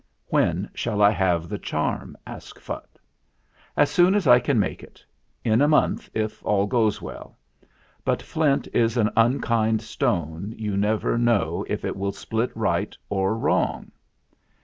"When shall I have the charm?" asked Phutt. "As soon as I can make it. In a month, if all goes well. But flint is an unkind stone you never know if it will split right or wrong."